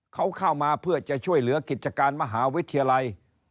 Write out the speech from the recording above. เขาเข้ามาเพื่อจะช่วยเหลือกิจการมหาวิทยาลัย